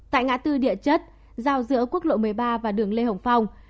tại ngã tư địa chất giao giữa quốc lộ một mươi ba và đường lê hồng phong